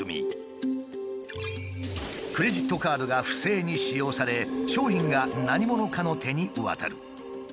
クレジットカードが不正に使用され商品が何者かの手に渡る。